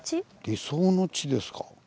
理想の地ですか。